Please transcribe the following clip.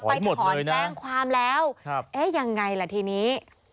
ไปถอนแจ้งความแล้วเอ๊ะยังไงล่ะทีนี้